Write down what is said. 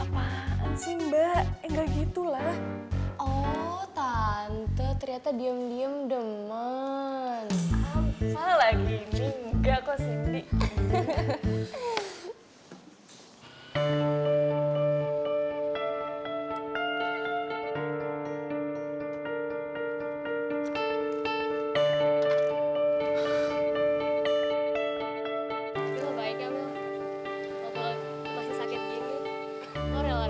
b bapak di mana